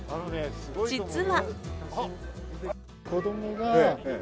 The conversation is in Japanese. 実は。